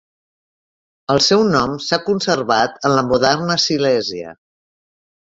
El seu nom s'ha conservat en la moderna Silèsia.